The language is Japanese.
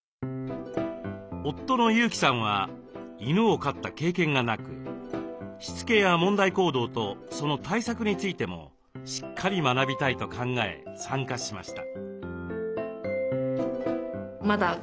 夫の裕己さんは犬を飼った経験がなくしつけや問題行動とその対策についてもしっかり学びたいと考え参加しました。